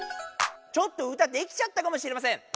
ちょっと歌できちゃったかもしれません。